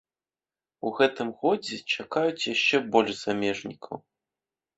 У гэтым годзе чакаюць яшчэ больш замежнікаў.